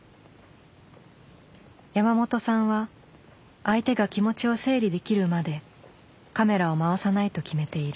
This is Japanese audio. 山本さんは相手が気持ちを整理できるまでカメラを回さないと決めている。